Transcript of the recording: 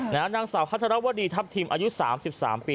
นางสาวพัทรวดีทัพทิมอายุ๓๓ปี